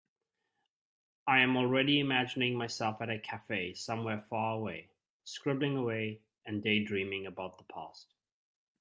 I am already imagining myself at a cafe somewhere far away, scribbling away and daydreaming about the past.